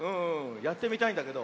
やってみたいんだけど。